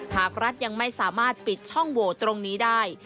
หากรัฐยังไม่สามารถปิดช่องโหวตตรงนี้ได้